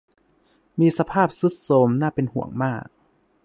มีสภาพทรุดโทรมน่าเป็นห่วงมาก